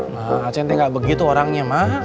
ma acek gak begitu orangnya ma